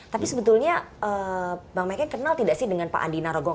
tapi sebetulnya bang meke kenal tidak sih dengan pak andi narogong